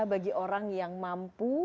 bagi orang yang mampu